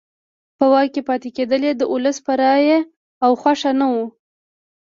په واک کې پاتې کېدل یې د ولس په رایه او خوښه نه وو.